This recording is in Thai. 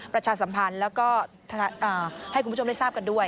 ประชาสัมพันธ์แล้วก็ให้คุณผู้ชมได้ทราบกันด้วย